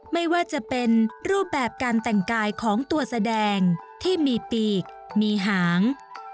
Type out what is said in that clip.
ไม่ว่าจะเป็นรูปแบบการแต่งกายของตัวแสดงที่มีปีกมีหาง